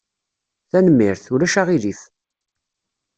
Tanemmirt. Ulac aɣilif!